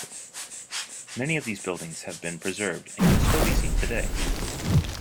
Many of these buildings have been preserved and can still be seen today.